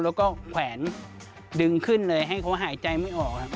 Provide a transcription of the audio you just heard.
แล้วก็แขวนดึงขึ้นเลยให้เขาหายใจไม่ออกครับ